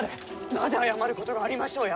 なぜ謝ることがありましょうや！